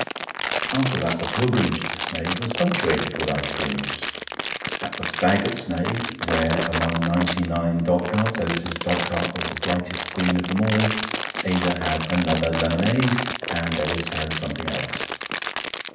After that the pilgrimage to Sneyd was punctuated with ice creams. At the Stag at Sneyd (where, among ninety and nine dogcarts, Ellis's dogcart was the brightest green of them all) Ada had another lemonade, and Ellis had something else.